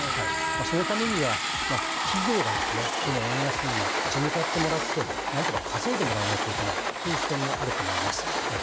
そのためには、企業が、この円安に立ち向かってもらって、なんとか稼いでもらわなきゃいけないという視点もあると思います。